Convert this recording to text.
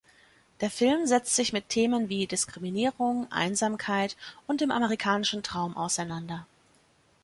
Der Film setzt sich mit Themen wie Diskriminierung, Einsamkeit und dem amerikanischen Traum auseinander.